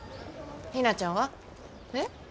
ひなちゃんは？えっ？